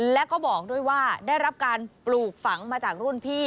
แล้วก็บอกด้วยว่าได้รับการปลูกฝังมาจากรุ่นพี่